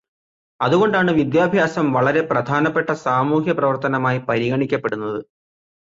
അതുകൊണ്ടാണ് വിദ്യാഭ്യാസം വളരെ പ്രധാനപ്പെട്ട സാമൂഹ്യപ്രവർത്തനമായി പരിഗണിക്കപ്പെടുന്നത്.